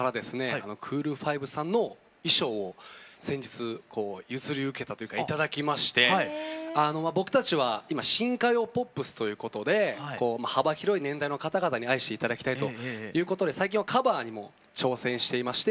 クール・ファイブさんの衣装を先日譲り受けたというか頂きまして僕たちは今新歌謡ポップスということで幅広い年齢の方々に愛して頂きたいということで最近はカバーにも挑戦していまして。